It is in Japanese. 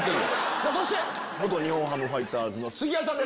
そして日本ハムファイターズの杉谷さんです。